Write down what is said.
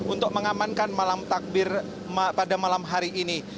untuk mengamankan malam takbir pada malam hari ini